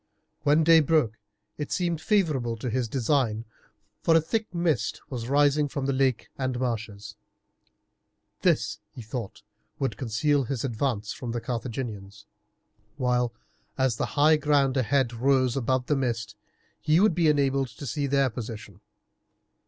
When day broke it seemed favourable to his design, for a thick mist was rising from the lake and marshes. This, he thought, would conceal his advance from the Carthaginians, while, as the high ground ahead rose above the mist, he would be enabled to see their position.